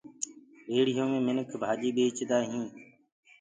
ريڙهيو مي منک ڀآڃيٚ ٻيڪدآ هينٚ